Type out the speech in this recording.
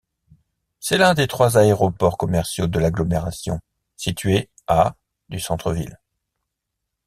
C'est l'un des trois aéroports commerciaux de l'agglomération, situé à du centre-ville.